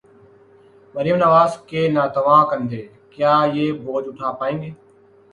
مریم نواز کے ناتواں کندھے، کیا یہ بوجھ اٹھا پائیں گے؟